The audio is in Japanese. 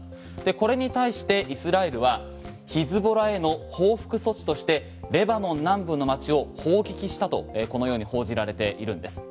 これに対してイスラエルはヒズボラへの報復措置としてレバノン南部の街を砲撃したと報じられているんです。